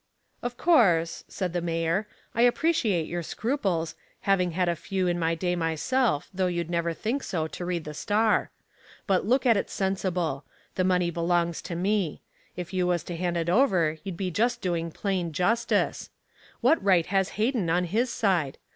"Of course," said the mayor, "I appreciate your scruples, having had a few in my day myself, though you'd never think so to read the Star. But look at it sensible. The money belongs to me. If you was to hand it over you'd be just doing plain justice. What right has Hayden on his side?